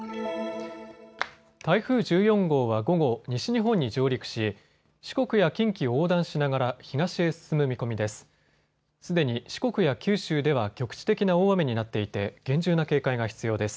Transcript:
台風１４号は午後、西日本に上陸し、四国や近畿を横断しながら東へ進む見込みです。